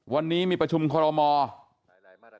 วันนี้มีประชุมคอรมอล์